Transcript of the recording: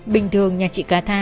bình thường nhà chị gà tha